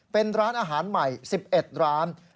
เป็นร้านอาหารใหม่๑๑ร้าน